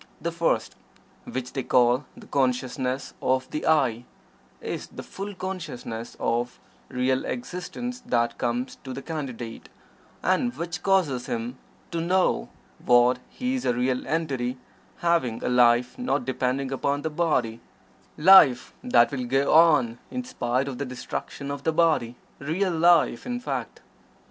The first, which they call "the Consciousness of the 'I'," is the full consciousness of real existence that comes to the Candidate, and which causes him to know that he is a real entity having a life not depending upon the body life that will go on in spite of the destruction of the body real life, in fact.